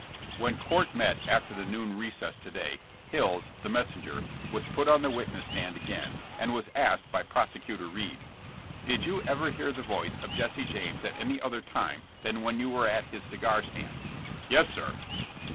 '* When court met after the noon recess today, Hills, the messenger, was put on the witness stand again and was asked by Prosecutor Reed: *'Did you ever hear the voice of Jesse James at any other time than when you were at his cigar stand?" ''Yes, sir."